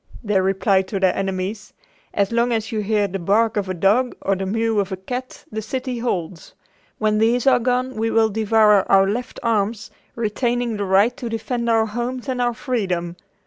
They replied to their enemies: "As long as you hear the bark of a dog or the mew of a cat the city holds. When these are gone we will devour out left arms, retaining the right to defend our homes and our freedom.